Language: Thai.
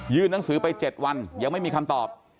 หนังสือไป๗วันยังไม่มีคำตอบ